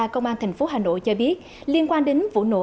cơ quan cảnh sát điều tra công an thành phố hà nội cho biết liên quan đến vụ nổ